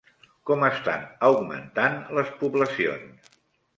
Com estan augmentant les poblacions?